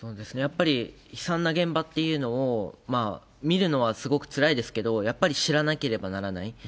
やっぱり悲惨な現場っていうのを見るのはすごくつらいですけれども、やっぱり知らなければならない。